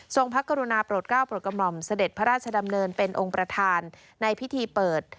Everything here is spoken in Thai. พระกรุณาโปรดก้าวโปรดกระหม่อมเสด็จพระราชดำเนินเป็นองค์ประธานในพิธีเปิด